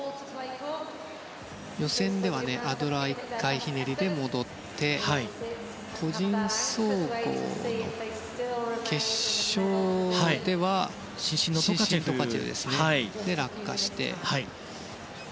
予選ではアドラー１回ひねりで戻って個人総合の決勝では伸身のトカチェフで落下して。